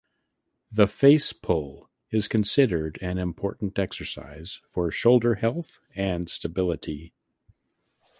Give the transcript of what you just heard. The face pull is considered an important exercise for shoulder health and stability.